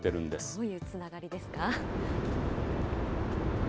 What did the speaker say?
どういうつながりですか。